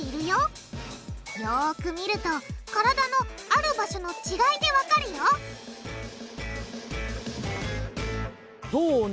よく見ると体のある場所の違いでわかるよどう？